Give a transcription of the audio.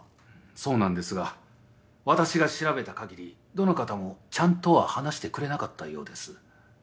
そうなんですが私が調べた限りどの方もちゃんとは話してくれなかったようです。